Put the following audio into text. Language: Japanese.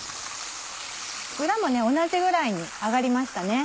裏も同じぐらいに揚がりましたね。